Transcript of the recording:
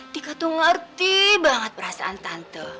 tika tuh ngerti banget perasaan tante